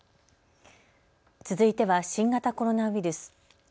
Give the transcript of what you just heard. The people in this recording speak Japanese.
続いては新型コロナウイルス。